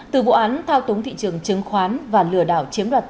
từ vụ án thao túng thị trường chứng khoán và lừa đảo chiếm đoạt trả tự